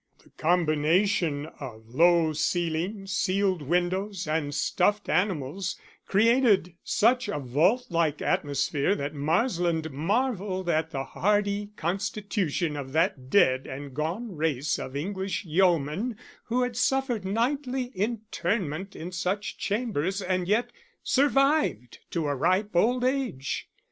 The combination of low ceiling, sealed windows, and stuffed animals created such a vault like atmosphere that Marsland marvelled at the hardy constitution of that dead and gone race of English yeomen who had suffered nightly internment in such chambers and yet survived to a ripe old age.